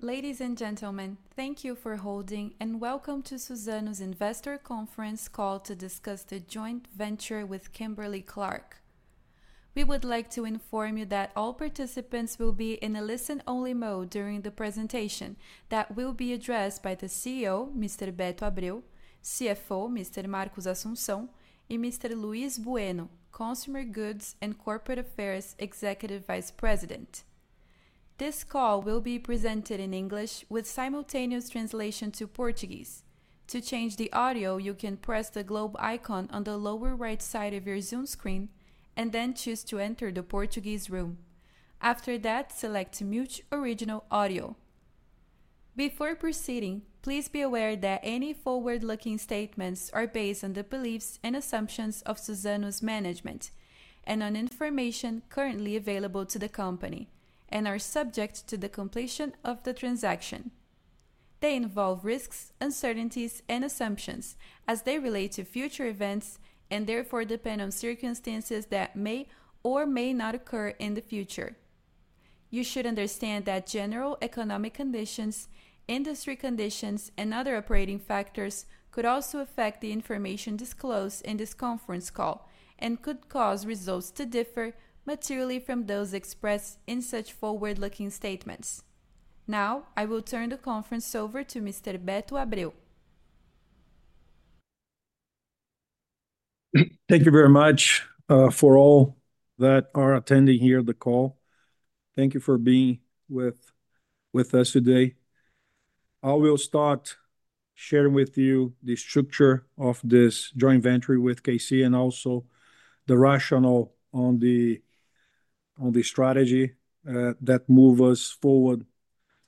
Ladies and gentlemen, thank you for holding, and welcome to Suzano's investor conference called to discuss the joint venture with Kimberly-Clark. We would like to inform you that all participants will be in a listen-only mode during the presentation that will be addressed by the CEO, Mr. Beto Abreu, CFO, Mr. Marcos Assumpção, and Mr. Luis Bueno, Consumer Goods and Corporate Affairs Executive Vice President. This call will be presented in English with simultaneous translation to Portuguese. To change the audio, you can press the globe icon on the lower right side of your Zoom screen and then choose to enter the Portuguese room. After that, select Mute Original Audio. Before proceeding, please be aware that any forward-looking statements are based on the beliefs and assumptions of Suzano's management and on information currently available to the company and are subject to the completion of the transaction. They involve risks, uncertainties, and assumptions as they relate to future events and therefore depend on circumstances that may or may not occur in the future. You should understand that general economic conditions, industry conditions, and other operating factors could also affect the information disclosed in this conference call and could cause results to differ materially from those expressed in such forward-looking statements. Now, I will turn the conference over to Mr. Beto Abreu. Thank you very much for all that are attending here the call. Thank you for being with us today. I will start sharing with you the structure of this joint venture with K-C and also the rationale on the strategy that moves us forward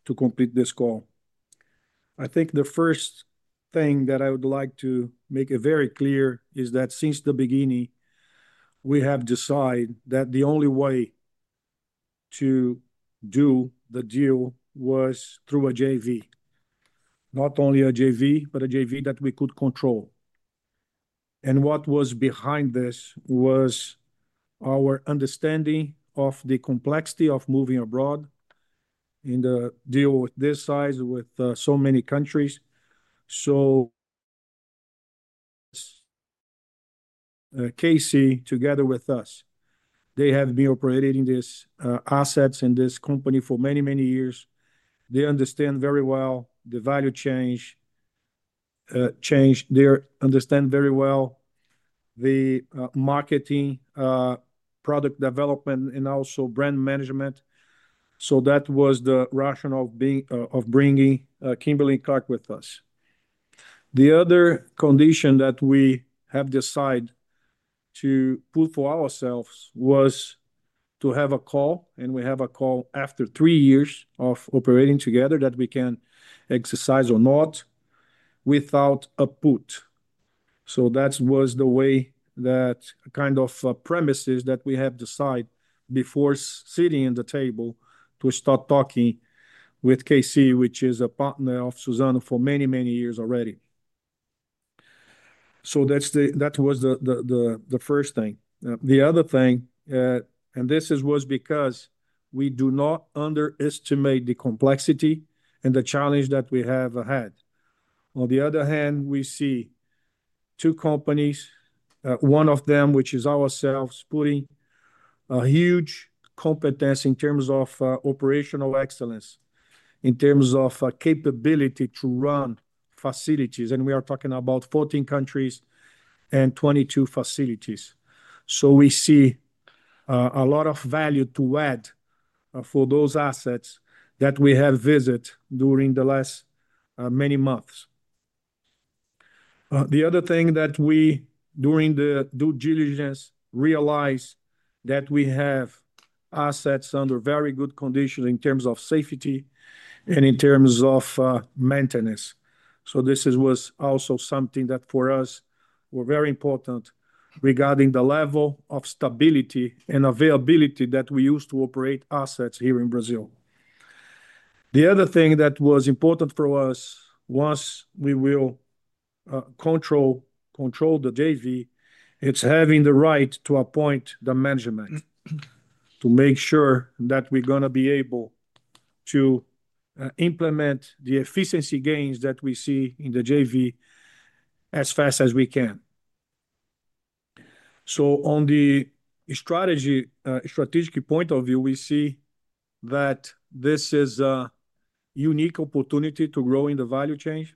to complete this call. I think the first thing that I would like to make very clear is that since the beginning, we have decided that the only way to do the deal was through a JV, not only a JV, but a JV that we could control. What was behind this was our understanding of the complexity of moving abroad in a deal of this size with so many countries. K-C, together with us, they have been operating these assets in this company for many, many years. They understand very well the value change. They understand very well the marketing, product development, and also brand management. That was the rationale of bringing Kimberly-Clark with us. The other condition that we have decided to put for ourselves was to have a call, and we have a call after three years of operating together that we can exercise or not without a put. That was the way, that kind of premises that we have decided before sitting at the table to start talking with K-C, which is a partner of Suzano for many, many years already. That was the first thing. The other thing, and this was because we do not underestimate the complexity and the challenge that we have ahead. On the other hand, we see two companies, one of them, which is ourselves, putting a huge competence in terms of operational excellence, in terms of capability to run facilities. We are talking about 14 countries and 22 facilities. We see a lot of value to add for those assets that we have visited during the last many months. The other thing that we, during the due diligence, realized is that we have assets under very good conditions in terms of safety and in terms of maintenance. This was also something that for us was very important regarding the level of stability and availability that we use to operate assets here in Brazil. The other thing that was important for us once we will control the JV is having the right to appoint the management to make sure that we're going to be able to implement the efficiency gains that we see in the JV as fast as we can. On the strategic point of view, we see that this is a unique opportunity to grow in the value chain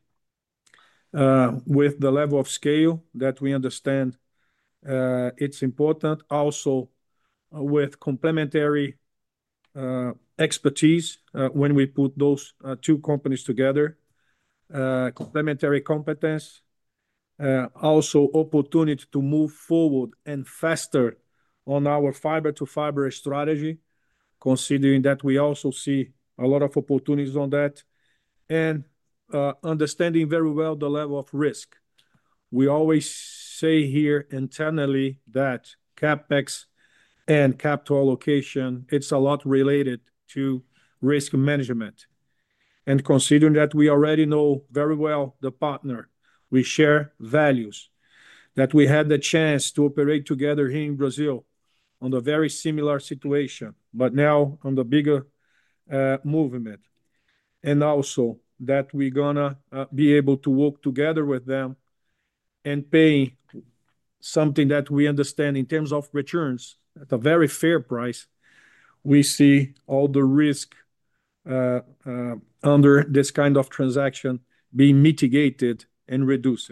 with the level of scale that we understand is important. Also, with complementary expertise when we put those two companies together, complementary competence, also opportunity to move forward and faster on our fiber-to-fiber strategy, considering that we also see a lot of opportunities on that and understanding very well the level of risk. We always say here internally that CapEx and capital allocation is a lot related to risk management. Considering that we already know very well the partner, we share values, that we had the chance to operate together here in Brazil on a very similar situation, but now on the bigger movement, and also that we're going to be able to work together with them and pay something that we understand in terms of returns at a very fair price, we see all the risk under this kind of transaction being mitigated and reduced.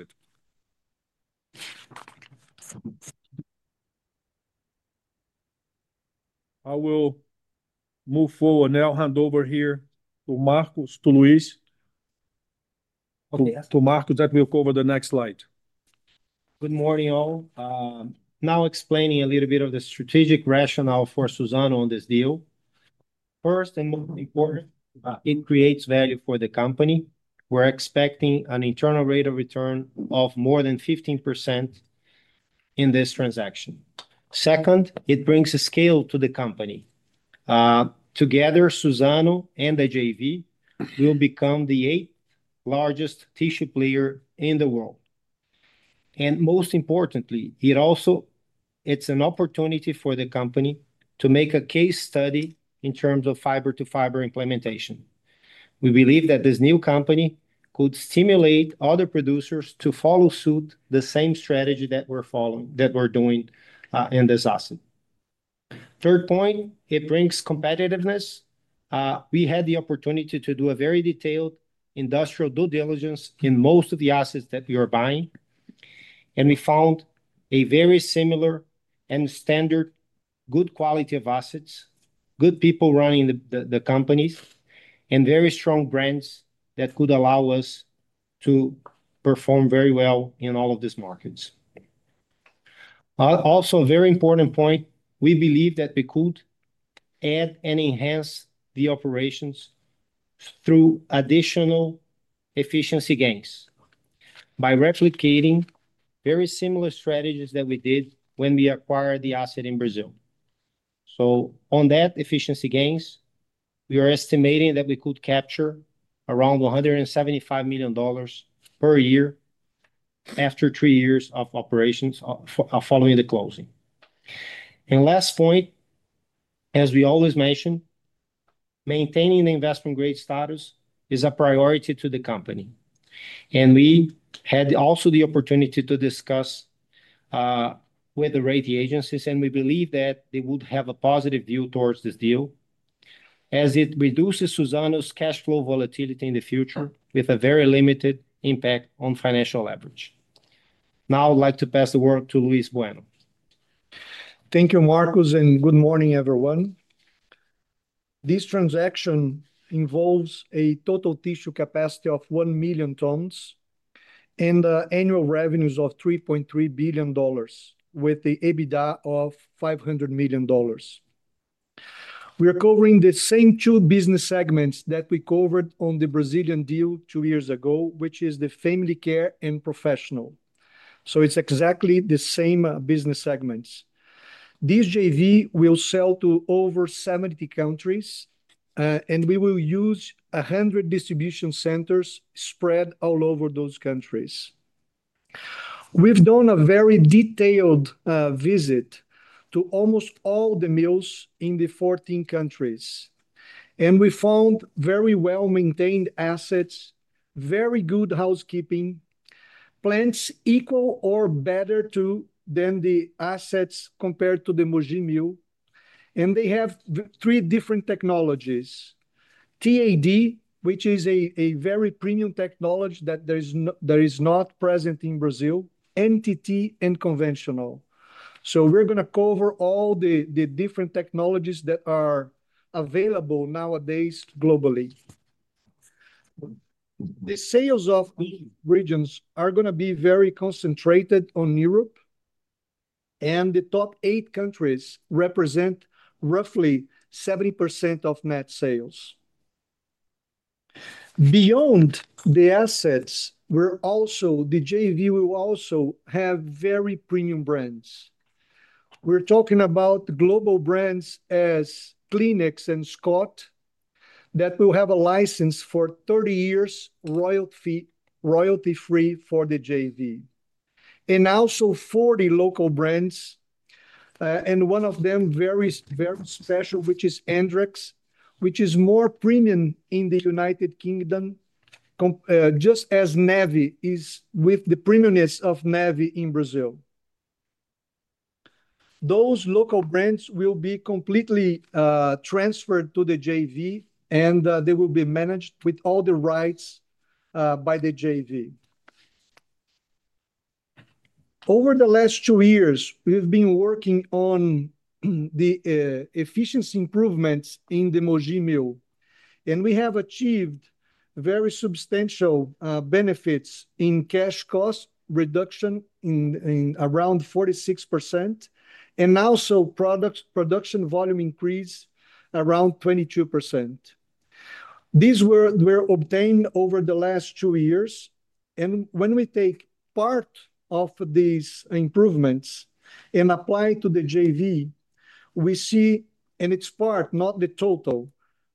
I will move forward now, hand over here to Marcos, to Luis. Okay. To Marcos, that will cover the next slide. Good morning, all. Now explaining a little bit of the strategic rationale for Suzano on this deal. First and most important, it creates value for the company. We're expecting an internal rate of return of more than 15% in this transaction. Second, it brings scale to the company. Together, Suzano and the JV will become the eighth largest tissue player in the world. Most importantly, it's an opportunity for the company to make a case study in terms of fiber-to-fiber implementation. We believe that this new company could stimulate other producers to follow suit the same strategy that we're doing in this asset. Third point, it brings competitiveness. We had the opportunity to do a very detailed industrial due diligence in most of the assets that we are buying. We found a very similar and standard, good quality of assets, good people running the companies, and very strong brands that could allow us to perform very well in all of these markets. Also, a very important point, we believe that we could add and enhance the operations through additional efficiency gains by replicating very similar strategies that we did when we acquired the asset in Brazil. On that efficiency gains, we are estimating that we could capture around $175 million per year after three years of operations following the closing. The last point, as we always mentioned, maintaining the investment-grade status is a priority to the company. We had also the opportunity to discuss with the rating agencies, and we believe that they would have a positive view towards this deal as it reduces Suzano's cash flow volatility in the future with a very limited impact on financial leverage. Now, I'd like to pass the word to Luis Bueno. Thank you, Marcos, and good morning, everyone. This transaction involves a total tissue capacity of 1 million tons and annual revenues of $3.3 billion with the EBITDA of $500 million. We are covering the same two business segments that we covered on the Brazilian deal two years ago, which is the family care and professional. It is exactly the same business segments. This JV will sell to over 70 countries, and we will use 100 distribution centers spread all over those countries. We have done a very detailed visit to almost all the mills in the 14 countries, and we found very well-maintained assets, very good housekeeping, plants equal or better than the assets compared to the Mogi Mill. They have three different technologies: TAD, which is a very premium technology that is not present in Brazil, NTT, and conventional. We're going to cover all the different technologies that are available nowadays globally. The sales of these regions are going to be very concentrated on Europe, and the top eight countries represent roughly 70% of net sales. Beyond the assets, the JV will also have very premium brands. We're talking about global brands as Kleenex and Scott that will have a license for 30 years, royalty-free for the JV, and also 40 local brands. One of them is very special, which is Andrex, which is more premium in the United Kingdom, just as Neve is with the premiumness of Neve in Brazil. Those local brands will be completely transferred to the JV, and they will be managed with all the rights by the JV. Over the last two years, we've been working on the efficiency improvements in the Mogi Mill, and we have achieved very substantial benefits in cash cost reduction in around 46% and also production volume increase around 22%. These were obtained over the last two years. When we take part of these improvements and apply to the JV, we see, and it's part, not the total,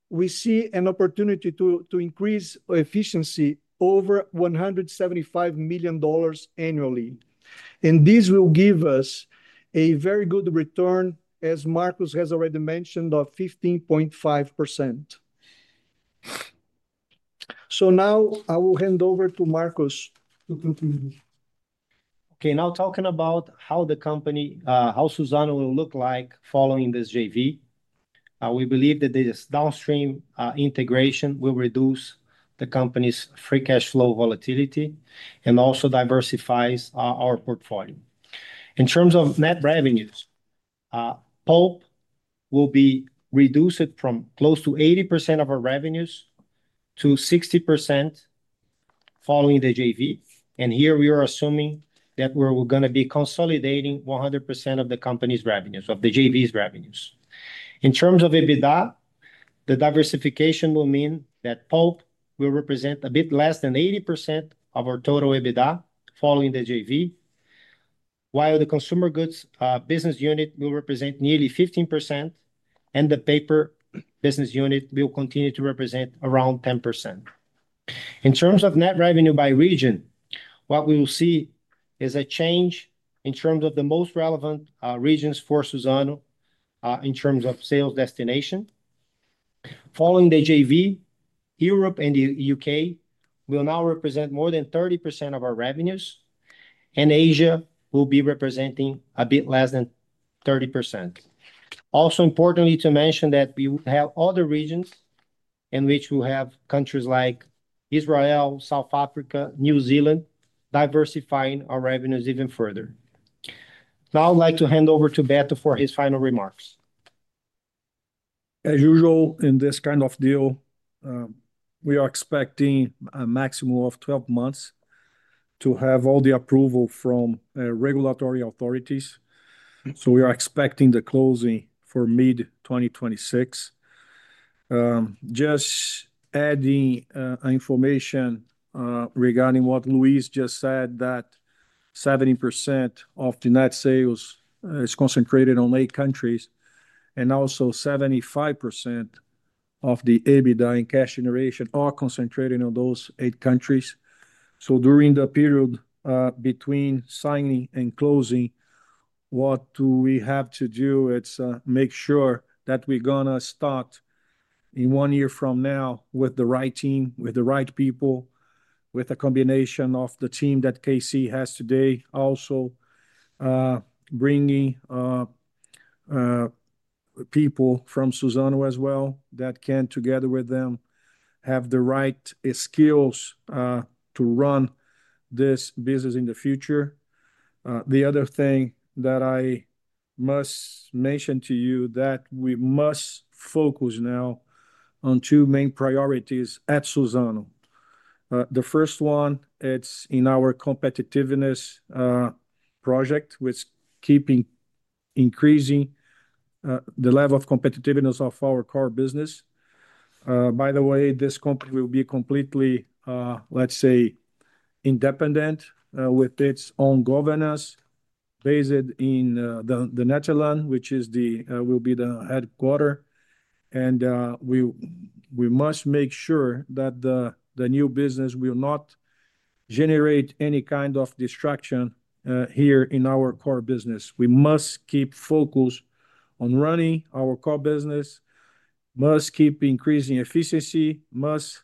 we see an opportunity to increase efficiency over $175 million annually. This will give us a very good return, as Marcos has already mentioned, of 15.5%. Now I will hand over to Marcos to continue. Okay. Now talking about how the company, how Suzano will look like following this JV, we believe that this downstream integration will reduce the company's free cash flow volatility and also diversifies our portfolio. In terms of net revenues, pulp will be reduced from close to 80% of our revenues to 60% following the JV. Here we are assuming that we're going to be consolidating 100% of the company's revenues, of the JV's revenues. In terms of EBITDA, the diversification will mean that pulp will represent a bit less than 80% of our total EBITDA following the JV, while the consumer goods business unit will represent nearly 15%, and the paper business unit will continue to represent around 10%. In terms of net revenue by region, what we will see is a change in terms of the most relevant regions for Suzano in terms of sales destination. Following the JV, Europe and the U.K. will now represent more than 30% of our revenues, and Asia will be representing a bit less than 30%. Also importantly to mention that we have other regions in which we have countries like Israel, South Africa, New Zealand diversifying our revenues even further. Now I'd like to hand over to Beto for his final remarks. As usual, in this kind of deal, we are expecting a maximum of 12 months to have all the approval from regulatory authorities. We are expecting the closing for mid-2026. Just adding information regarding what Luis just said, that 70% of the net sales is concentrated on eight countries, and also 75% of the EBITDA and cash generation are concentrated in those eight countries. During the period between signing and closing, what do we have to do? It's make sure that we're going to start in one year from now with the right team, with the right people, with a combination of the team that KC has today, also bringing people from Suzano as well that can together with them have the right skills to run this business in the future. The other thing that I must mention to you is that we must focus now on two main priorities at Suzano. The first one, it's in our competitiveness project with keeping increasing the level of competitiveness of our core business. By the way, this company will be completely, let's say, independent with its own governance based in the Netherlands, which will be the headquarter. We must make sure that the new business will not generate any kind of destruction here in our core business. We must keep focus on running our core business, must keep increasing efficiency, must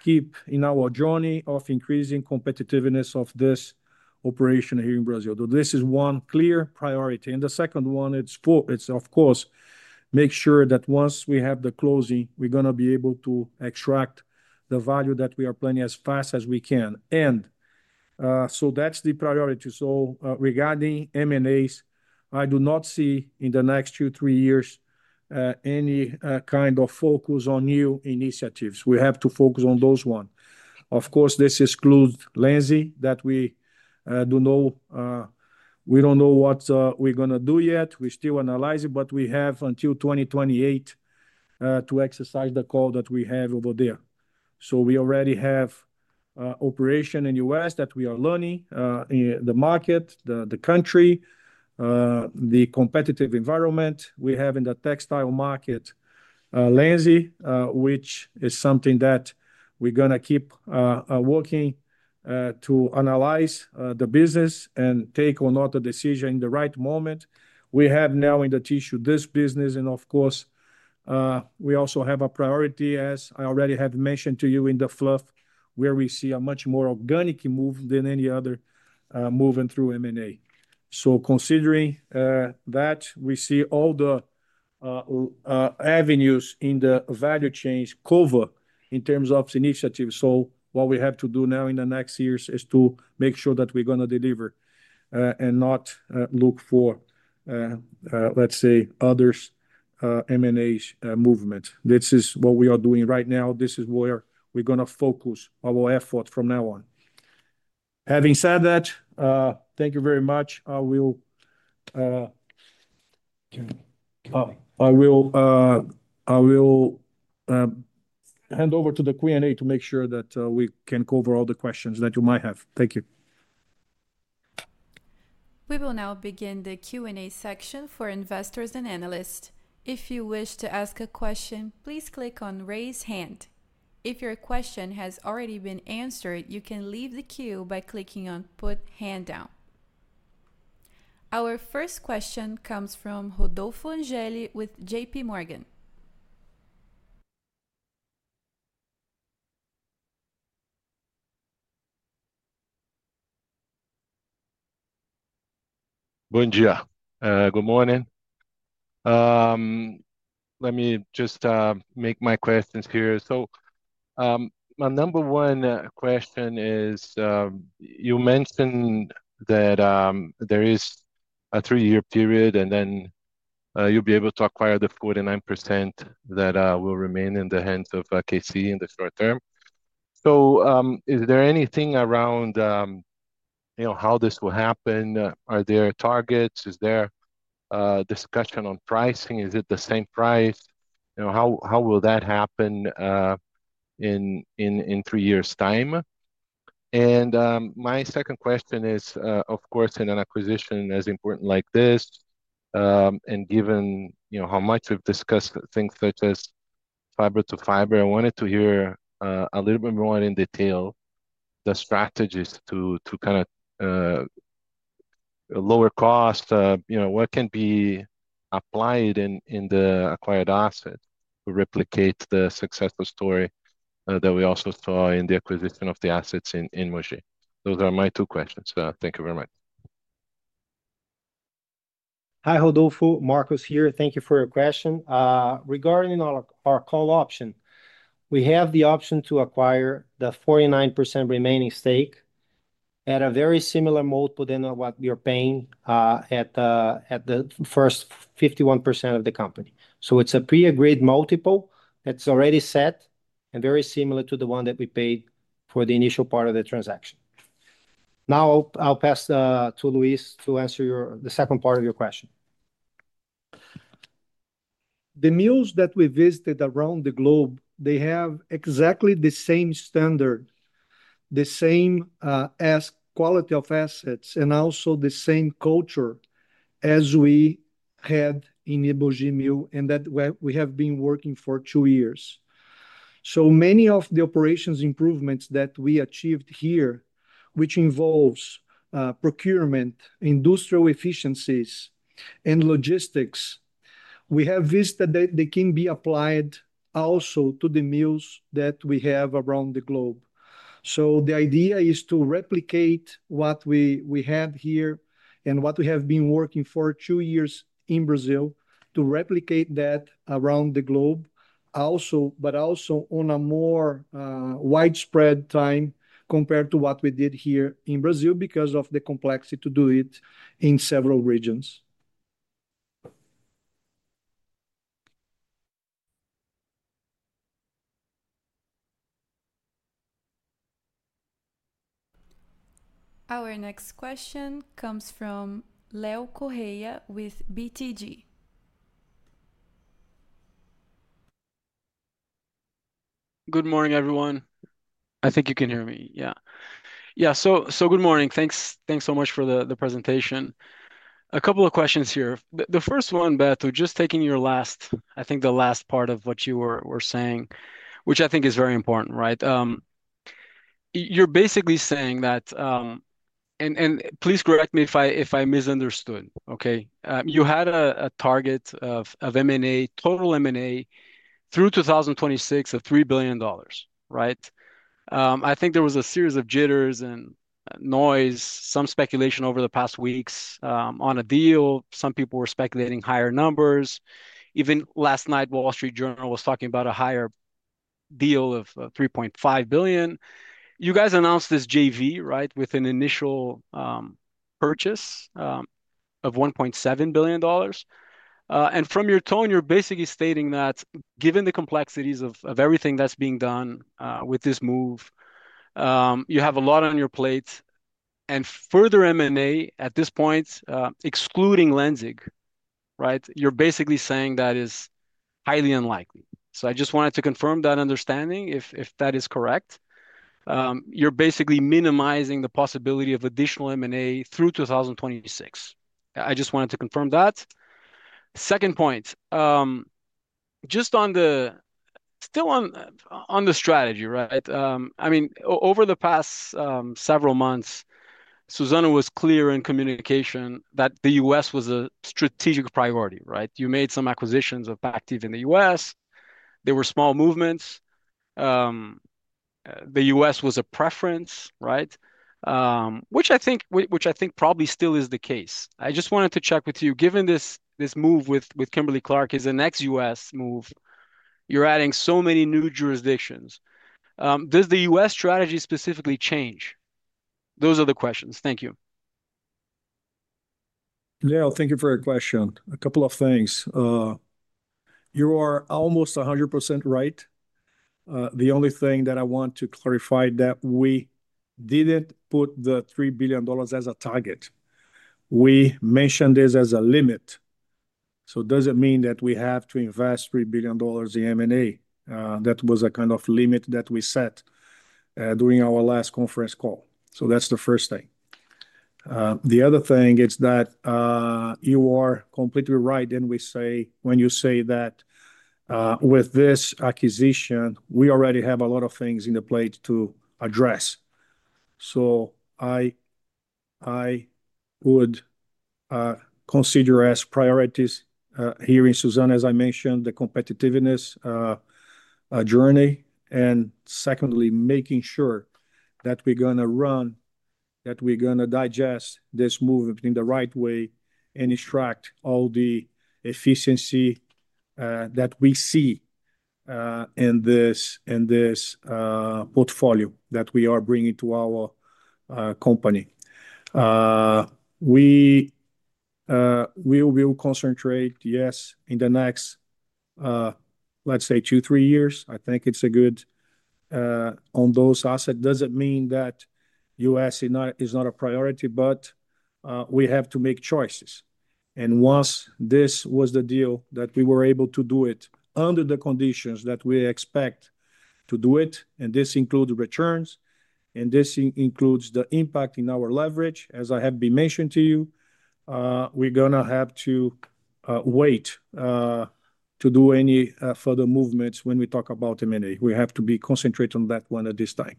keep in our journey of increasing competitiveness of this operation here in Brazil. This is one clear priority. The second one, it's of course, make sure that once we have the closing, we're going to be able to extract the value that we are planning as fast as we can. That is the priority. Regarding M&As, I do not see in the next two, three years any kind of focus on new initiatives. We have to focus on those ones. Of course, this excludes Lenzing that we do know. We do not know what we are going to do yet. We still analyze it, but we have until 2028 to exercise the call that we have over there. We already have operation in the U.S. that we are learning the market, the country, the competitive environment we have in the textile market, Lenzing, which is something that we are going to keep working to analyze the business and take or not a decision in the right moment. We have now in the tissue this business, and of course, we also have a priority, as I already have mentioned to you in the fluff, where we see a much more organic move than any other moving through M&A. Considering that, we see all the avenues in the value chain cover in terms of initiatives. What we have to do now in the next years is to make sure that we're going to deliver and not look for, let's say, other M&A movements. This is what we are doing right now. This is where we're going to focus our effort from now on. Having said that, thank you very much. I will hand over to the Q&A to make sure that we can cover all the questions that you might have. Thank you. We will now begin the Q&A section for investors and analysts. If you wish to ask a question, please click on raise hand. If your question has already been answered, you can leave the queue by clicking on put hand down. Our first question comes from Rodolfo Angeli with JP Morgan. Good morning. Let me just make my questions here. My number one question is, you mentioned that there is a three-year period, and then you'll be able to acquire the 49% that will remain in the hands of KC in the short term. Is there anything around how this will happen? Are there targets? Is there discussion on pricing? Is it the same price? How will that happen in three years' time? My second question is, of course, in an acquisition as important like this, and given how much we've discussed things such as fiber-to-fiber, I wanted to hear a little bit more in detail the strategies to kind of lower cost, what can be applied in the acquired asset to replicate the successful story that we also saw in the acquisition of the assets in Mogi. Those are my two questions. Thank you very much. Hi, Rodolfo. Marcos here. Thank you for your question. Regarding our call option, we have the option to acquire the 49% remaining stake at a very similar multiple than what you're paying at the first 51% of the company. So it's a pre-agreed multiple that's already set and very similar to the one that we paid for the initial part of the transaction. Now I'll pass to Luis to answer the second part of your question. The mills that we visited around the globe, they have exactly the same standard, the same quality of assets, and also the same culture as we had in the Mogi Mill and that we have been working for two years. Many of the operations improvements that we achieved here, which involves procurement, industrial efficiencies, and logistics, we have visited that they can be applied also to the mills that we have around the globe. The idea is to replicate what we have here and what we have been working for two years in Brazil to replicate that around the globe, but also on a more widespread time compared to what we did here in Brazil because of the complexity to do it in several regions. Our next question comes from Leo Correa with BTG Pactual. Good morning, everyone. I think you can hear me. Yeah. Yeah. Good morning. Thanks so much for the presentation. A couple of questions here. The first one, Beto, just taking your last, I think the last part of what you were saying, which I think is very important, right? You're basically saying that, and please correct me if I misunderstood, okay? You had a target of M&A, total M&A through 2026 of $3 billion, right? I think there was a series of jitters and noise, some speculation over the past weeks on a deal. Some people were speculating higher numbers. Even last night, Wall Street Journal was talking about a higher deal of $3.5 billion. You guys announced this JV, right, with an initial purchase of $1.7 billion. From your tone, you're basically stating that given the complexities of everything that's being done with this move, you have a lot on your plate. Further M&A at this point, excluding Lenzing, right? You're basically saying that is highly unlikely. I just wanted to confirm that understanding if that is correct. You're basically minimizing the possibility of additional M&A through 2026. I just wanted to confirm that. Second point, just on the strategy, right? I mean, over the past several months, Suzano was clear in communication that the U.S. was a strategic priority, right? You made some acquisitions of active in the U.S. There were small movements. The U.S. was a preference, right? Which I think probably still is the case. I just wanted to check with you, given this move with Kimberly-Clark, is the next U.S. move, you're adding so many new jurisdictions. Does the U.S. strategy specifically change? Those are the questions. Thank you. Leo, thank you for your question. A couple of things. You are almost 100% right. The only thing that I want to clarify is that we did not put the $3 billion as a target. We mentioned this as a limit. Does it mean that we have to invest $3 billion in M&A? That was a kind of limit that we set during our last conference call. That is the first thing. The other thing is that you are completely right when you say that with this acquisition, we already have a lot of things on the plate to address. I would consider as priorities here in Suzano, as I mentioned, the competitiveness journey. Secondly, making sure that we're going to run, that we're going to digest this move in the right way and extract all the efficiency that we see in this portfolio that we are bringing to our company. We will concentrate, yes, in the next, let's say, two, three years. I think it's a good on those assets. Does it mean that U.S. is not a priority, but we have to make choices? Once this was the deal that we were able to do it under the conditions that we expect to do it, and this includes returns, and this includes the impact in our leverage, as I have been mentioning to you, we're going to have to wait to do any further movements when we talk about M&A. We have to be concentrated on that one at this time.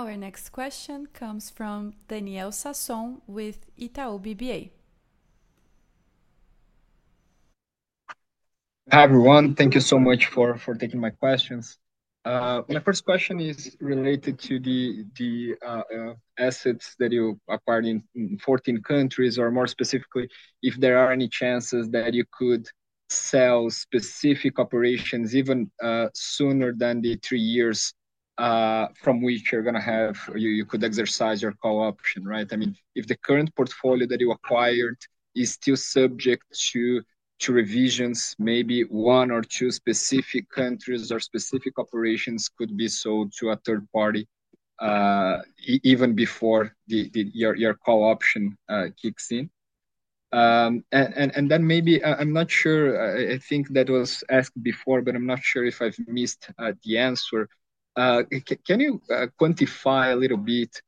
Our next question comes from Danielle Sasson with Itaú BBA. Hi, everyone. Thank you so much for taking my questions. My first question is related to the assets that you acquired in 14 countries, or more specifically, if there are any chances that you could sell specific operations even sooner than the three years from which you're going to have you could exercise your call option, right? I mean, if the current portfolio that you acquired is still subject to revisions, maybe one or two specific countries or specific operations could be sold to a third party even before your call option kicks in. Maybe, I'm not sure, I think that was asked before, but I'm not sure if I've missed the answer. Can you quantify a little bit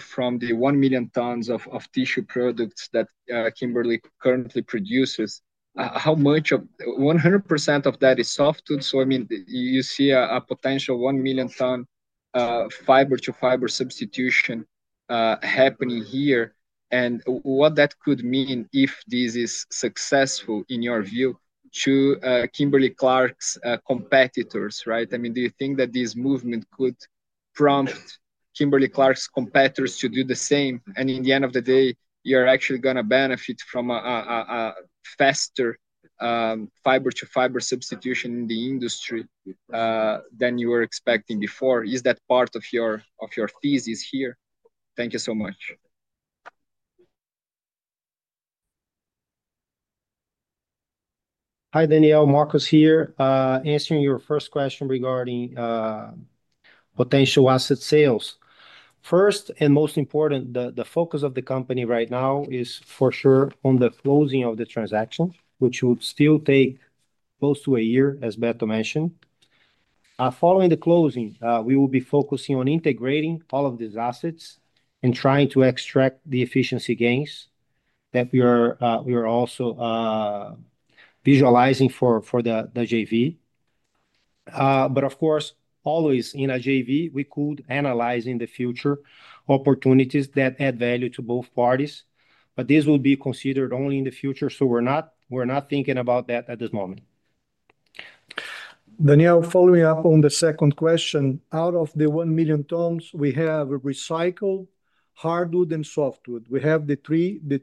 from the 1 million tons of tissue products that Kimberly currently produces, how much of 100% of that is softwood? I mean, you see a potential 1 million ton fiber-to-fiber substitution happening here. What could that mean if this is successful in your view to Kimberly-Clark's competitors, right? I mean, do you think that this movement could prompt Kimberly-Clark's competitors to do the same? In the end of the day, you're actually going to benefit from a faster fiber-to-fiber substitution in the industry than you were expecting before. Is that part of your thesis here? Thank you so much. Hi, Danielle. Marcos here. Answering your first question regarding potential asset sales. First and most important, the focus of the company right now is for sure on the closing of the transaction, which would still take close to a year, as Beto mentioned. Following the closing, we will be focusing on integrating all of these assets and trying to extract the efficiency gains that we are also visualizing for the JV. Of course, always in a JV, we could analyze in the future opportunities that add value to both parties. This will be considered only in the future. We are not thinking about that at this moment. Danielle, following up on the second question, out of the 1 million tons, we have recycled, hardwood, and softwood. We have the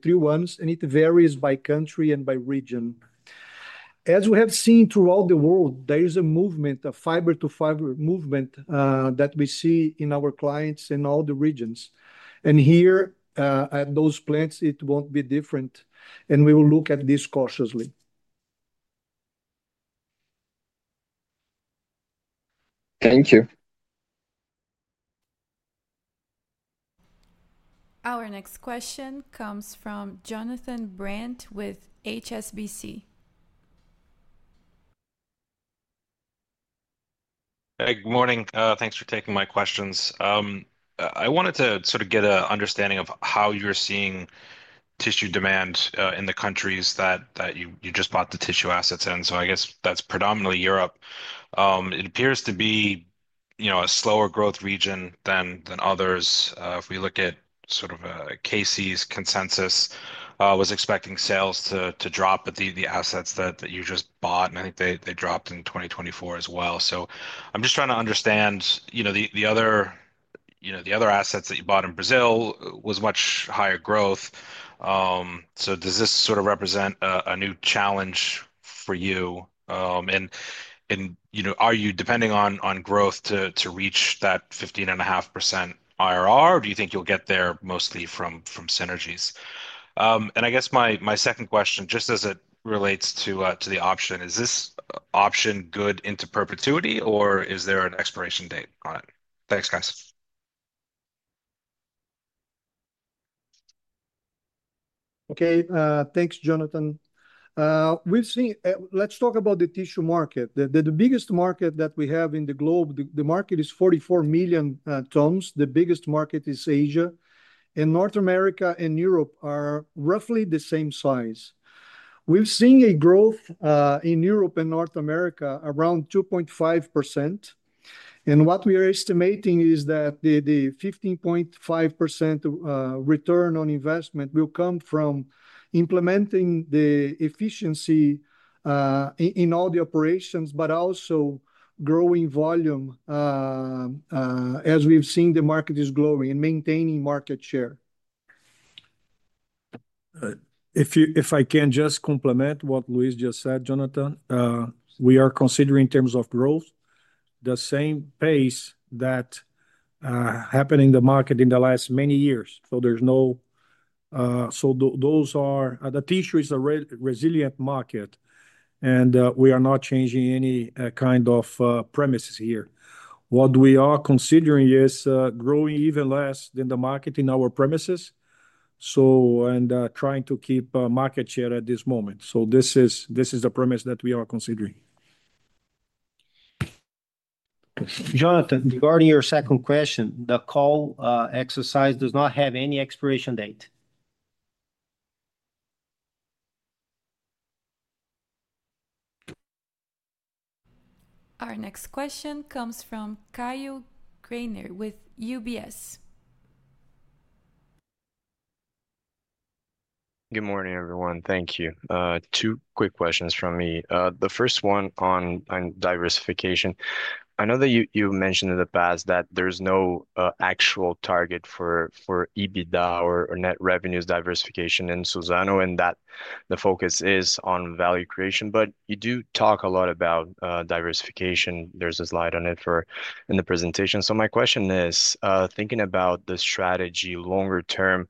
three ones, and it varies by country and by region. As we have seen throughout the world, there is a movement, a fiber-to-fiber movement that we see in our clients in all the regions. Here at those plants, it will not be different. We will look at this cautiously. Thank you. Our next question comes from Jonathan Brandt with HSBC. Hey, good morning. Thanks for taking my questions. I wanted to sort of get an understanding of how you're seeing tissue demand in the countries that you just bought the tissue assets in. I guess that's predominantly Europe. It appears to be a slower growth region than others. If we look at sort of K-C's consensus, I was expecting sales to drop at the assets that you just bought. I think they dropped in 2024 as well. I'm just trying to understand the other assets that you bought in Brazil was much higher growth. Does this sort of represent a new challenge for you? Are you depending on growth to reach that 15.5% IRR, or do you think you'll get there mostly from synergies? I guess my second question, just as it relates to the option, is this option good into perpetuity, or is there an expiration date on it? Thanks, guys. Okay. Thanks, Jonathan. Let's talk about the tissue market. The biggest market that we have in the globe, the market is 44 million tons. The biggest market is Asia. North America and Europe are roughly the same size. We've seen a growth in Europe and North America around 2.5%. What we are estimating is that the 15.5% return on investment will come from implementing the efficiency in all the operations, but also growing volume as we've seen the market is growing and maintaining market share. If I can just complement what Luis just said, Jonathan, we are considering in terms of growth the same pace that happened in the market in the last many years. Those are the tissue is a resilient market, and we are not changing any kind of premises here. What we are considering is growing even less than the market in our premises and trying to keep market share at this moment. This is the premise that we are considering. Jonathan, regarding your second question, the call exercise does not have any expiration date. Our next question comes from Caio Greiner with UBS. Good morning, everyone. Thank you. Two quick questions from me. The first one on diversification. I know that you mentioned in the past that there's no actual target for EBITDA or net revenues diversification in Suzano and that the focus is on value creation. But you do talk a lot about diversification. There's a slide on it in the presentation. My question is, thinking about the strategy longer term,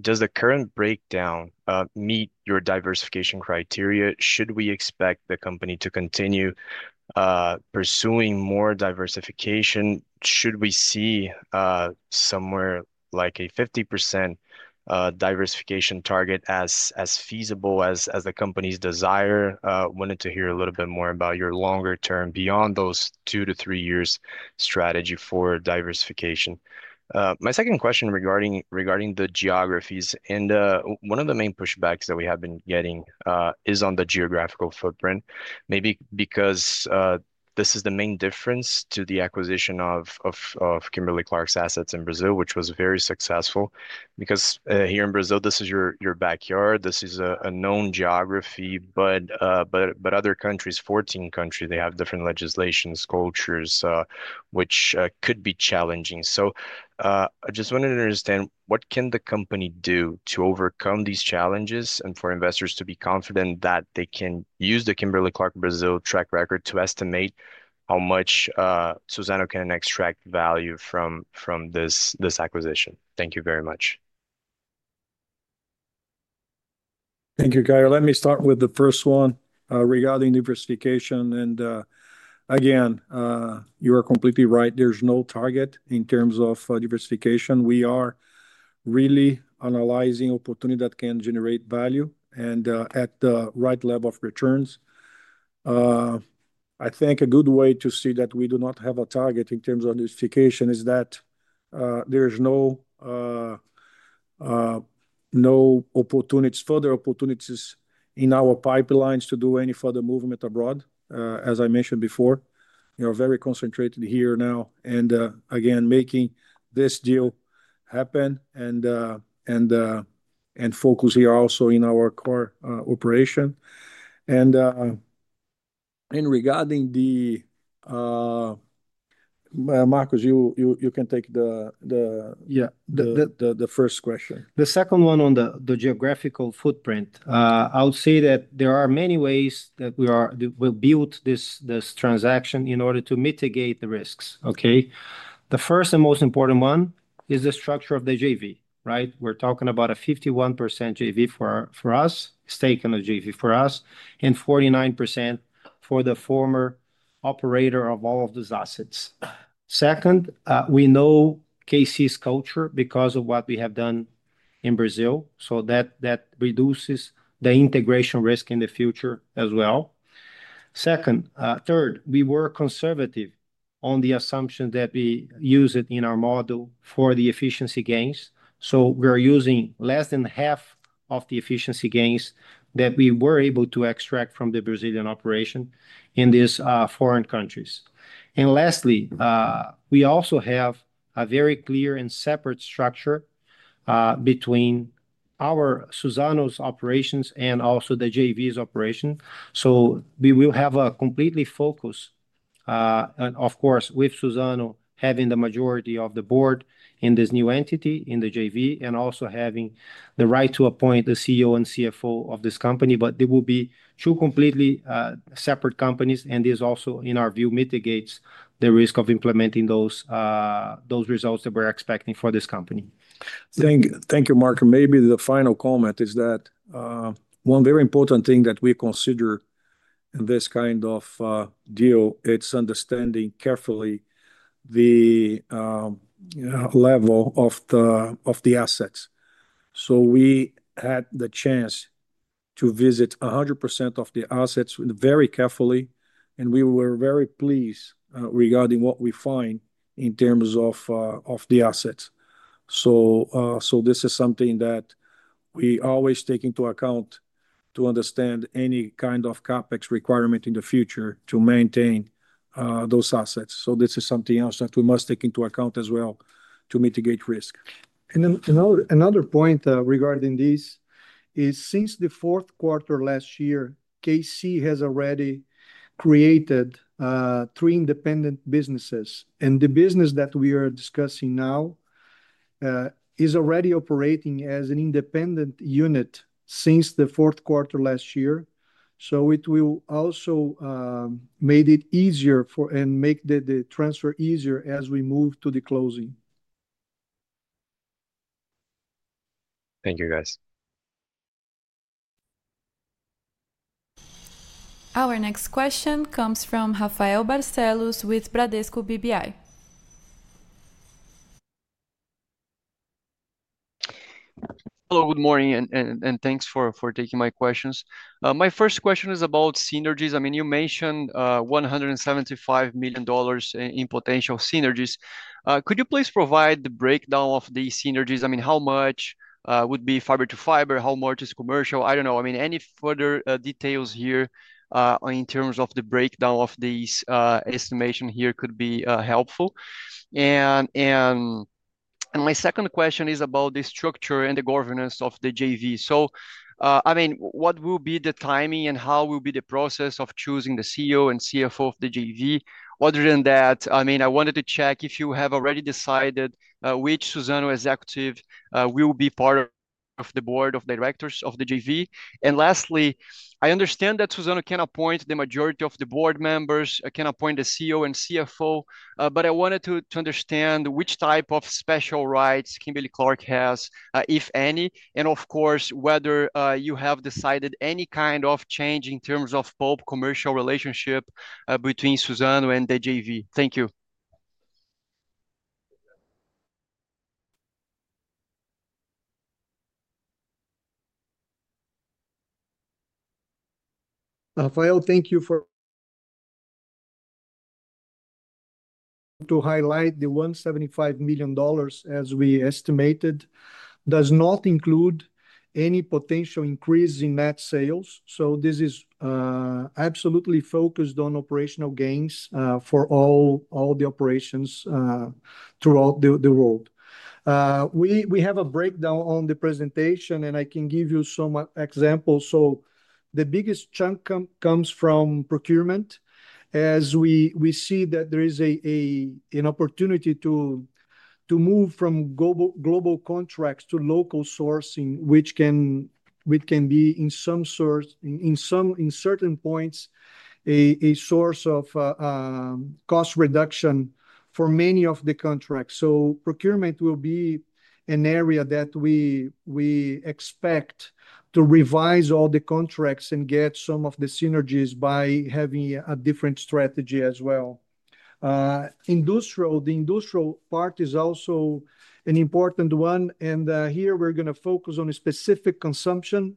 does the current breakdown meet your diversification criteria? Should we expect the company to continue pursuing more diversification? Should we see somewhere like a 50% diversification target as feasible as the company's desire? Wanted to hear a little bit more about your longer term beyond those two to three years strategy for diversification. My second question regarding the geographies, and one of the main pushbacks that we have been getting is on the geographical footprint, maybe because this is the main difference to the acquisition of Kimberly-Clark's assets in Brazil, which was very successful because here in Brazil, this is your backyard. This is a known geography, but other countries, 14 countries, they have different legislations, cultures, which could be challenging. I just wanted to understand what can the company do to overcome these challenges and for investors to be confident that they can use the Kimberly-Clark Brazil track record to estimate how much Suzano can extract value from this acquisition? Thank you very much. Thank you, Greiner. Let me start with the first one regarding diversification. You are completely right. There is no target in terms of diversification. We are really analyzing opportunity that can generate value and at the right level of returns. I think a good way to see that we do not have a target in terms of diversification is that there are no further opportunities in our pipelines to do any further movement abroad. As I mentioned before, we are very concentrated here now and making this deal happen and focus here also in our core operation. Regarding Marcos, you can take the first question. The second one on the geographical footprint, I'll say that there are many ways that we will build this transaction in order to mitigate the risks. Okay? The first and most important one is the structure of the JV, right? We're talking about a 51% JV for us, stake in the JV for us, and 49% for the former operator of all of these assets. Second, we know K-C's culture because of what we have done in Brazil. That reduces the integration risk in the future as well. Third, we were conservative on the assumption that we use it in our model for the efficiency gains. We're using less than half of the efficiency gains that we were able to extract from the Brazilian operation in these foreign countries. Lastly, we also have a very clear and separate structure between Suzano's operations and also the JV's operation. We will have a complete focus, of course, with Suzano having the majority of the board in this new entity in the JV and also having the right to appoint the CEO and CFO of this company. They will be two completely separate companies. This also, in our view, mitigates the risk of implementing those results that we're expecting for this company. Thank you, Marco. Maybe the final comment is that one very important thing that we consider in this kind of deal, it's understanding carefully the level of the assets. We had the chance to visit 100% of the assets very carefully. We were very pleased regarding what we find in terms of the assets. This is something that we always take into account to understand any kind of CapEx requirement in the future to maintain those assets. This is something else that we must take into account as well to mitigate risk. Another point regarding this is since the fourth quarter last year, K-C has already created three independent businesses. The business that we are discussing now is already operating as an independent unit since the fourth quarter last year. It will also make it easier and make the transfer easier as we move to the closing. Thank you, guys. Our next question comes from Rafael Barcellos with Bradesco BBI. Hello, good morning. Thanks for taking my questions. My first question is about synergies. I mean, you mentioned $175 million in potential synergies. Could you please provide the breakdown of these synergies? I mean, how much would be fiber-to-fiber? How much is commercial? I do not know. I mean, any further details here in terms of the breakdown of these estimations here could be helpful. My second question is about the structure and the governance of the JV. I mean, what will be the timing and how will be the process of choosing the CEO and CFO of the JV? Other than that, I mean, I wanted to check if you have already decided which Suzano executive will be part of the board of directors of the JV. Lastly, I understand that Suzano can appoint the majority of the board members, can appoint the CEO and CFO. I wanted to understand which type of special rights Kimberly-Clark has, if any, and of course, whether you have decided any kind of change in terms of public-commercial relationship between Suzano and the JV. Thank you. Rafael, thank you for. To highlight, the $175 million as we estimated does not include any potential increase in net sales. This is absolutely focused on operational gains for all the operations throughout the world. We have a breakdown on the presentation, and I can give you some examples. The biggest chunk comes from procurement as we see that there is an opportunity to move from global contracts to local sourcing, which can be in certain points a source of cost reduction for many of the contracts. Procurement will be an area that we expect to revise all the contracts and get some of the synergies by having a different strategy as well. The industrial part is also an important one. Here we're going to focus on specific consumption.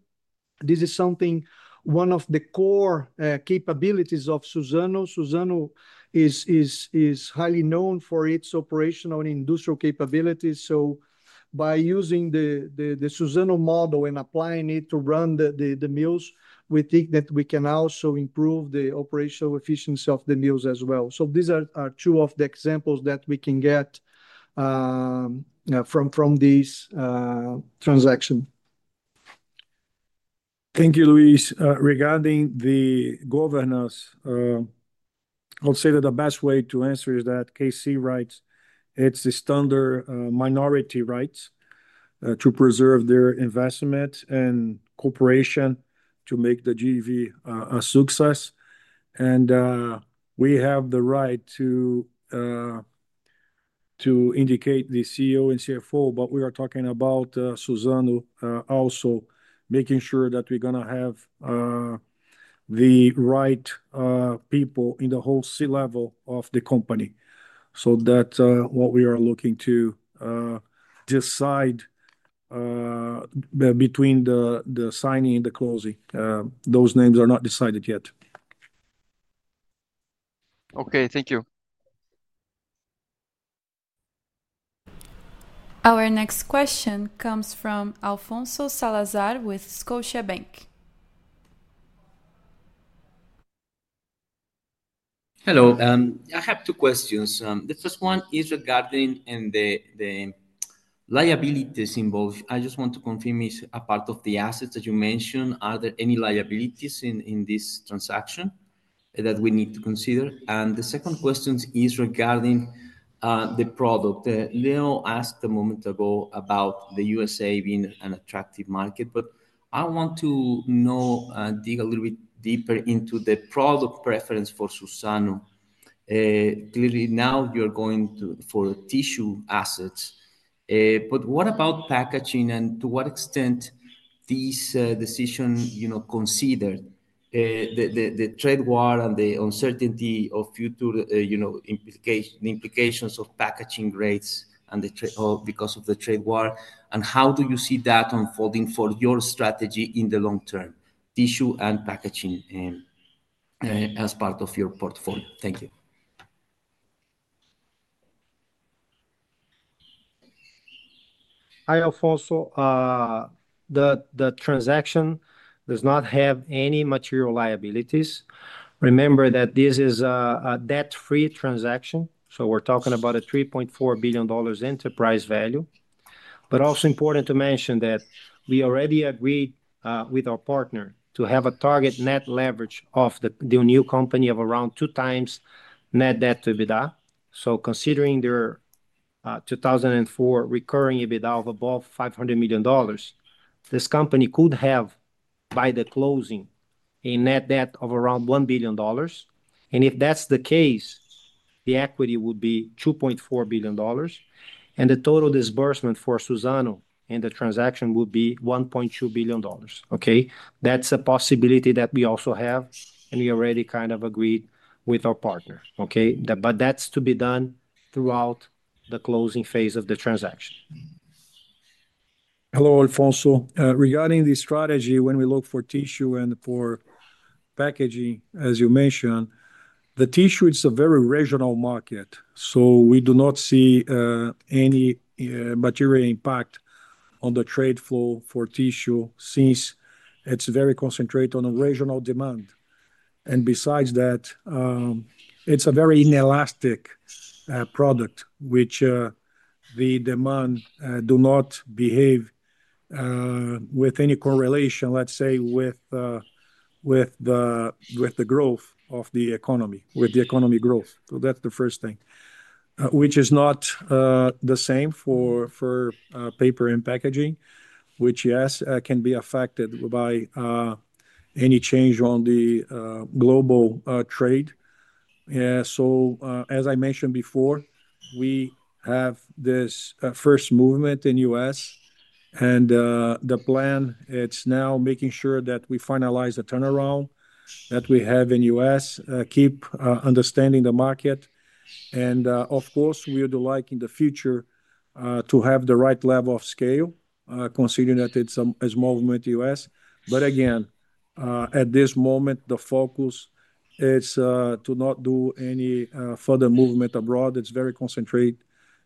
This is something, one of the core capabilities of Suzano. Suzano is highly known for its operational and industrial capabilities. By using the Suzano model and applying it to run the mills, we think that we can also improve the operational efficiency of the mills as well. These are two of the examples that we can get from this transaction. Thank you, Luis. Regarding the governance, I'll say that the best way to answer is that K-C, right, it's the standard minority rights to preserve their investment and cooperation to make the JV a success. We have the right to indicate the CEO and CFO, but we are talking about Suzano also making sure that we're going to have the right people in the whole C level of the company. That is what we are looking to decide between the signing and the closing. Those names are not decided yet. Okay. Thank you. Our next question comes from Alfonso Salazar with Scotiabank. Hello. I have two questions. The first one is regarding the liabilities involved. I just want to confirm if a part of the assets that you mentioned, are there any liabilities in this transaction that we need to consider? The second question is regarding the product. Leo asked a moment ago about the U.S.A. being an attractive market, but I want to dig a little bit deeper into the product preference for Suzano. Clearly, now you're going for tissue assets. What about packaging and to what extent this decision considered the trade war and the uncertainty of future implications of packaging rates because of the trade war? How do you see that unfolding for your strategy in the long term, tissue and packaging as part of your portfolio? Thank you. Hi, Alfonso. The transaction does not have any material liabilities. Remember that this is a debt-free transaction. We're talking about a $3.4 billion enterprise value. It is also important to mention that we already agreed with our partner to have a target net leverage of the new company of around two times net debt to EBITDA. Considering their 2024 recurring EBITDA of above $500 million, this company could have by the closing a net debt of around $1 billion. If that's the case, the equity would be $2.4 billion. The total disbursement for Suzano in the transaction would be $1.2 billion. Okay? That's a possibility that we also have, and we already kind of agreed with our partner. Okay? That is to be done throughout the closing phase of the transaction. Hello, Alfonso. Regarding the strategy, when we look for tissue and for packaging, as you mentioned, the tissue, it's a very regional market. We do not see any material impact on the trade flow for tissue since it's very concentrated on regional demand. Besides that, it's a very inelastic product, which the demand does not behave with any correlation, let's say, with the growth of the economy, with the economy growth. That's the first thing, which is not the same for paper and packaging, which, yes, can be affected by any change on the global trade. As I mentioned before, we have this first movement in the U.S. The plan, it's now making sure that we finalize the turnaround that we have in the U.S., keep understanding the market. Of course, we would like in the future to have the right level of scale, considering that it's a movement in the U.S. At this moment, the focus is to not do any further movement abroad. It's very concentrated.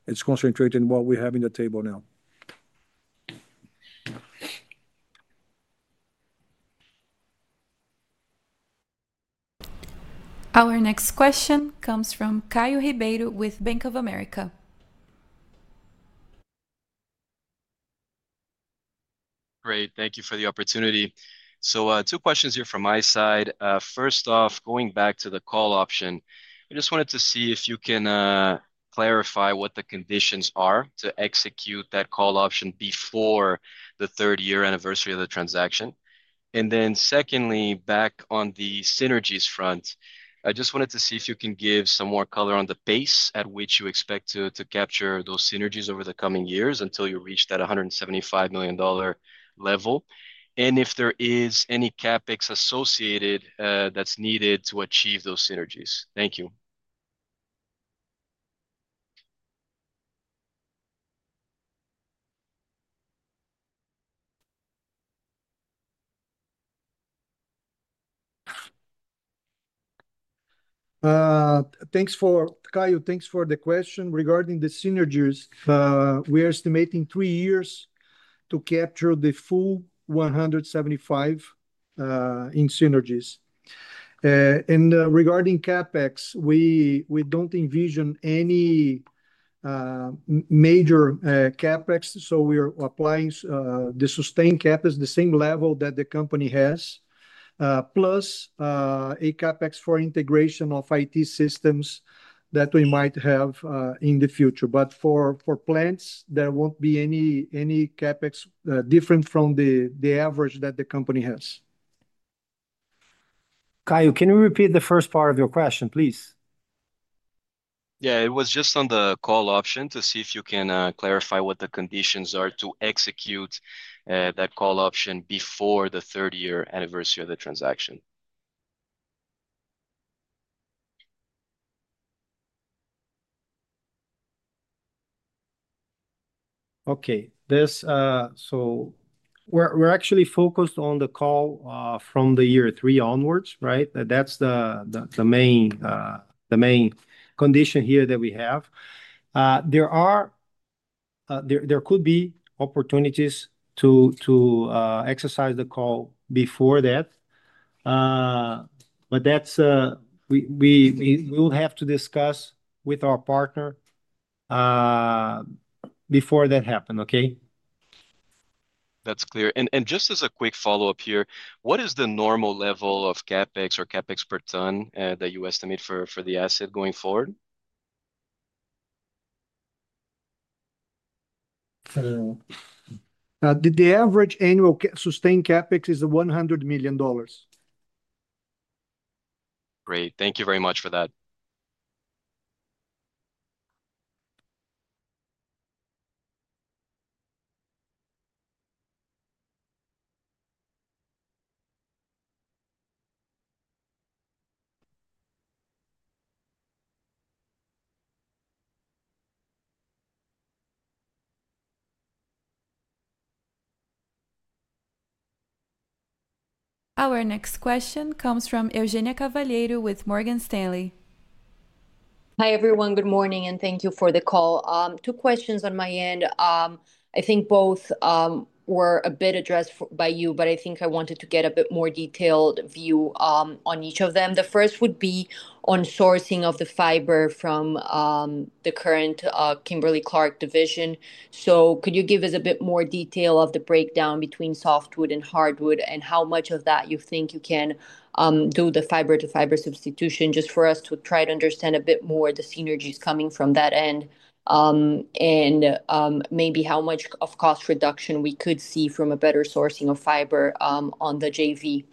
It's concentrated in what we have in the table now. Our next question comes from Caio Ribeiro with Bank of America. Great. Thank you for the opportunity. Two questions here from my side. First off, going back to the call option, I just wanted to see if you can clarify what the conditions are to execute that call option before the third-year anniversary of the transaction. Secondly, back on the synergies front, I just wanted to see if you can give some more color on the pace at which you expect to capture those synergies over the coming years until you reach that $175 million level. If there is any CapEx associated that's needed to achieve those synergies. Thank you. Thanks, Caio, thanks for the question. Regarding the synergies, we are estimating three years to capture the full $175 million in synergies. Regarding CapEx, we do not envision any major CapEx. We are applying the sustained CapEx, the same level that the company has, plus a CapEx for integration of IT systems that we might have in the future. For plants, there will not be any CapEx different from the average that the company has. Caio, can you repeat the first part of your question, please? Yeah. It was just on the call option to see if you can clarify what the conditions are to execute that call option before the third-year anniversary of the transaction. Okay. We are actually focused on the call from year three onwards, right? That is the main condition here that we have. There could be opportunities to exercise the call before that. We will have to discuss with our partner before that happens, okay? That's clear. Just as a quick follow-up here, what is the normal level of CapEx or CapEx per ton that you estimate for the asset going forward? The average annual sustained CapEx is $100 million. Great. Thank you very much for that. Our next question comes from Eugenia Carvalheiro with Morgan Stanley. Hi, everyone. Good morning. Thank you for the call. Two questions on my end. I think both were a bit addressed by you, but I think I wanted to get a bit more detailed view on each of them. The first would be on sourcing of the fiber from the current Kimberly-Clark division. Could you give us a bit more detail of the breakdown between softwood and hardwood and how much of that you think you can do the fiber-to-fiber substitution just for us to try to understand a bit more the synergies coming from that end and maybe how much of cost reduction we could see from a better sourcing of fiber on the JV.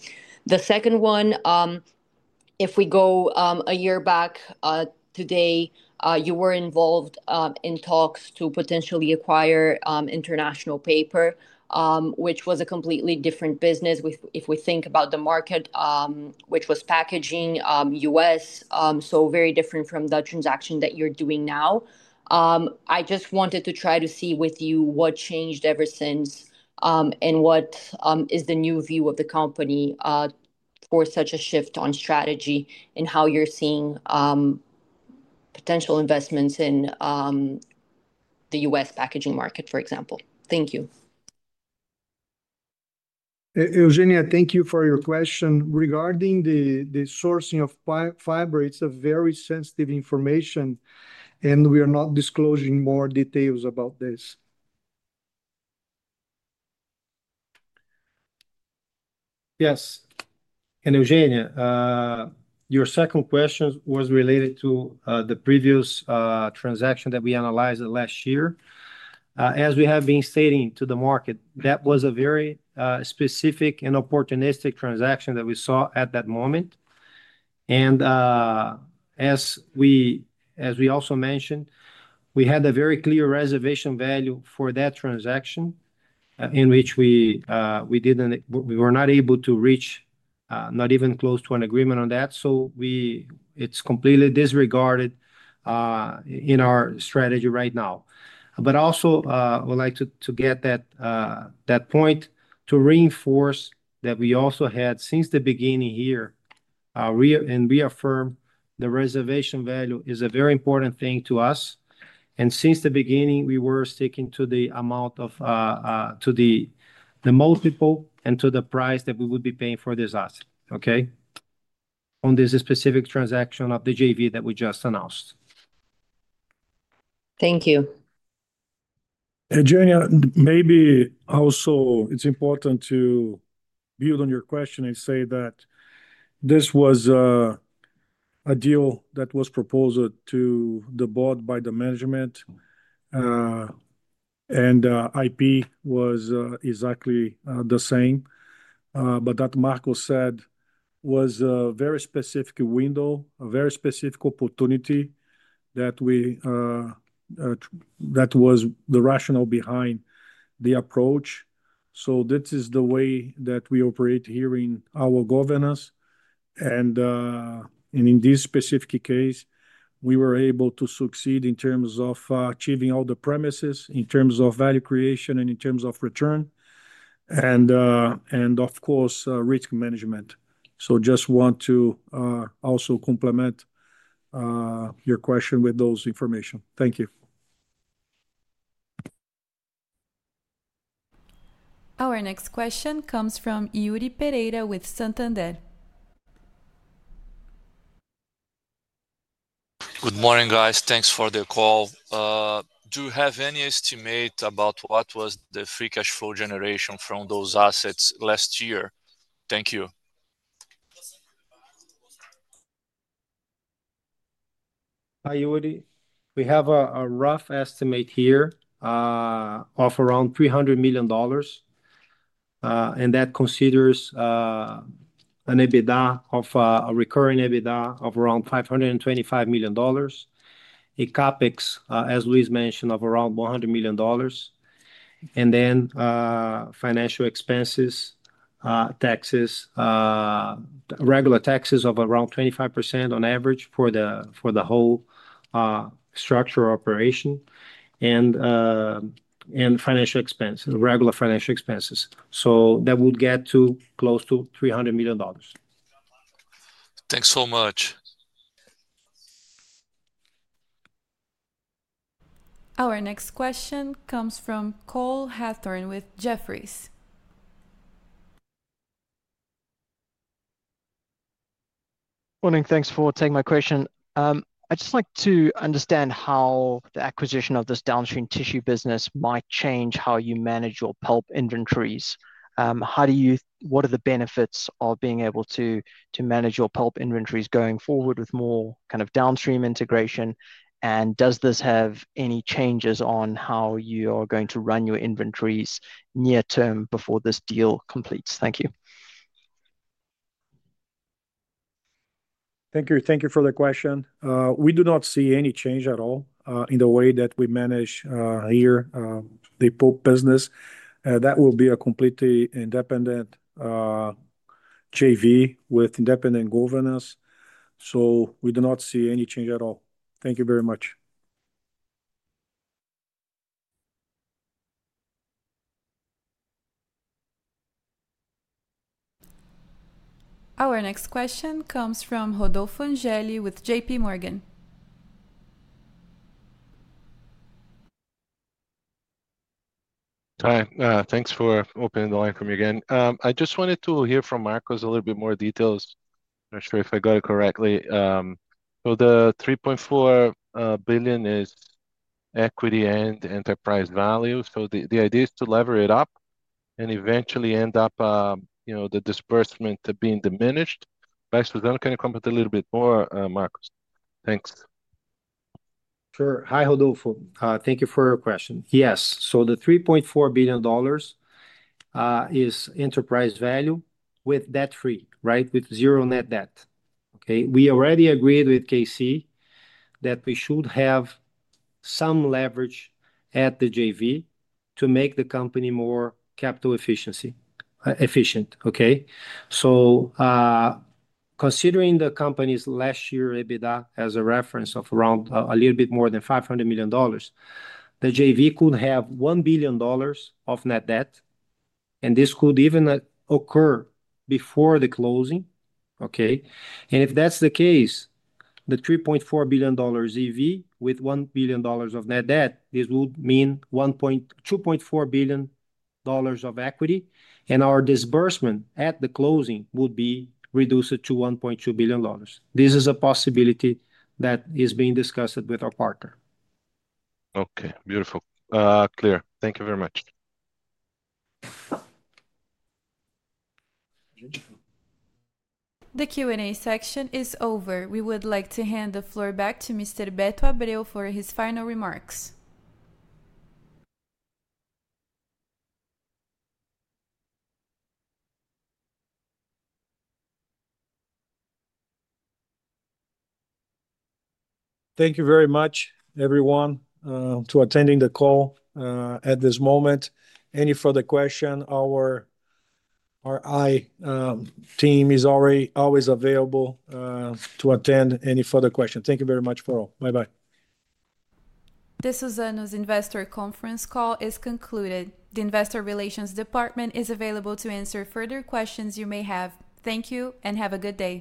The second one, if we go a year back today, you were involved in talks to potentially acquire International Paper, which was a completely different business if we think about the market, which was packaging U.S., so very different from the transaction that you're doing now. I just wanted to try to see with you what changed ever since and what is the new view of the company for such a shift on strategy and how you're seeing potential investments in the U.S. packaging market, for example. Thank you. Eugenia, thank you for your question. Regarding the sourcing of fiber, it's very sensitive information, and we are not disclosing more details about this. Yes. Eugenia, your second question was related to the previous transaction that we analyzed last year. As we have been stating to the market, that was a very specific and opportunistic transaction that we saw at that moment. As we also mentioned, we had a very clear reservation value for that transaction in which we were not able to reach not even close to an agreement on that. It is completely disregarded in our strategy right now. I would like to get that point to reinforce that we also had since the beginning here and reaffirm the reservation value is a very important thing to us. Since the beginning, we were sticking to the amount, to the multiple, and to the price that we would be paying for this asset, okay, on this specific transaction of the JV that we just announced. Thank you. Eugenia, maybe also it is important to build on your question and say that this was a deal that was proposed to the board by the management. And IP was exactly the same. What Marcos said was a very specific window, a very specific opportunity that was the rationale behind the approach. This is the way that we operate here in our governance. In this specific case, we were able to succeed in terms of achieving all the premises in terms of value creation and in terms of return and, of course, risk management. I just want to also complement your question with that information. Thank you. Our next question comes from Yuri Pereira with Santander. Good morning, guys. Thanks for the call. Do you have any estimate about what was the free cash flow generation from those assets last year? Thank you. Hi, Yuri. We have a rough estimate here of around $300 million. That considers an EBITDA of a recurring EBITDA of around $525 million, a CapEx, as Luis mentioned, of around $100 million. Then financial expenses, taxes, regular taxes of around 25% on average for the whole structure operation and financial expenses, regular financial expenses. That would get to close to $300 million. Thanks so much. Our next question comes from Cole Hathorne with Jefferies. Morning. Thanks for taking my question. I'd just like to understand how the acquisition of this downstream tissue business might change how you manage your pulp inventories. What are the benefits of being able to manage your pulp inventories going forward with more kind of downstream integration? Does this have any changes on how you are going to run your inventories near-term before this deal completes? Thank you. Thank you. Thank you for the question. We do not see any change at all in the way that we manage here the pulp business. That will be a completely independent JV with independent governance. We do not see any change at all. Thank you very much. Our next question comes from Rodolfo Angele with J.P. Morgan. Hi. Thanks for opening the line for me again. I just wanted to hear from Marcos a little bit more details. Not sure if I got it correctly. So the $3.4 billion is equity and enterprise value. The idea is to lever it up and eventually end up the disbursement being diminished. I suppose then can you comment a little bit more, Marcos? Thanks. Sure. Hi, Rodolfo. Thank you for your question. Yes. The $3.4 billion is enterprise value with debt-free, right, with zero net debt. We already agreed with K-C that we should have some leverage at the JV to make the company more capital efficient. Considering the company's last-year EBITDA as a reference of around a little bit more than $500 million, the JV could have $1 billion of net debt. This could even occur before the closing. If that's the case, the $3.4 billion EV with $1 billion of net debt would mean $2.4 billion of equity. Our disbursement at the closing would be reduced to $1.2 billion. This is a possibility that is being discussed with our partner. Okay. Beautiful. Clear. Thank you very much. The Q&A section is over. We would like to hand the floor back to Mr. Beto Abreu for his final remarks. Thank you very much, everyone, for attending the call at this moment. Any further question, our IR team is always available to attend any further questions. Thank you very much for all. Bye-bye. This Suzano's investor conference call is concluded. The investor relations department is available to answer further questions you may have. Thank you and have a good day.